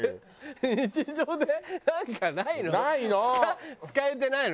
日常でなんかないの？ないの？